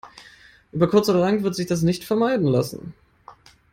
Über kurz oder lang wird sich das nicht vermeiden lassen.